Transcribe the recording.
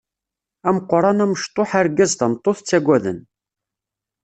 Ameqran amecṭuḥ argaz tameṭṭut ttagaden.